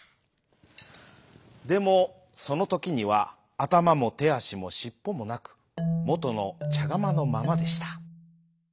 でもそのときにはあたまもてあしもしっぽもなくもとのちゃがまのままでした。